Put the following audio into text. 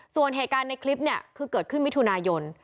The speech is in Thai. ส่วนเหตุการณ์ในคลิปเนี่ยคือเกิดขึ้นมิถุนายน